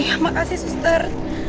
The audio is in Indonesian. iya makasih suster